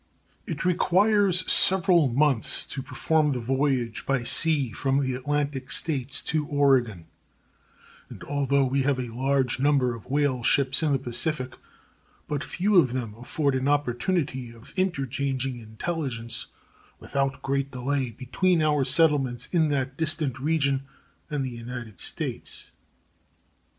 It requires several months to perform the voyage by sea from the Atlantic States to Oregon, and although we have a large number of whale ships in the Pacific, but few of them afford an opportunity of interchanging intelligence without great delay between our settlements in that distant region and the United States.